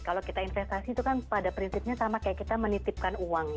kalau kita investasi itu kan pada prinsipnya sama kayak kita menitipkan uang